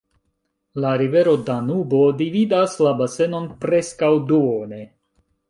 La rivero Danubo dividas la basenon preskaŭ duone.